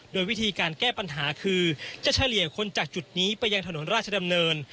โดยวิธีการแก้ปัญหาคือจะเฉลี่ยคนจากจุดนี้ไปยังถนนราชดำเนิน